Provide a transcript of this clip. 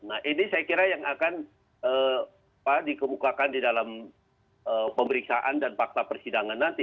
nah ini saya kira yang akan dikemukakan di dalam pemeriksaan dan fakta persidangan nanti